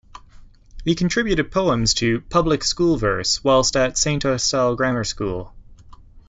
He contributed poems to "Public School Verse" whilst at Saint Austell Grammar School.